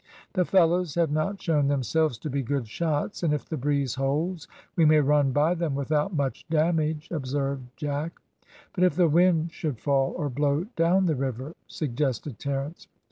"The fellows have not shown themselves to be good shots, and if the breeze holds we may run by them without much damage," observed Jack. "But if the wind should fall or blow down the river?" suggested Terence.